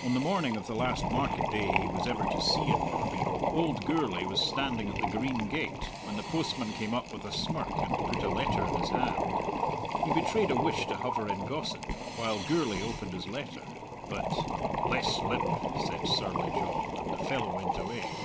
On the morning of the last market day he was ever to see in Barbie, old Gourlay was standing at the green gate, when the postman came up with a smirk, and put a letter in his hand. He betrayed a wish to hover in gossip, while Gourlay opened his letter, but "Less lip!" said surly John, and the fellow went away.